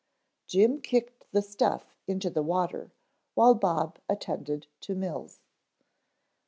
Jim kicked the stuff into the water, while Bob attended to Mills.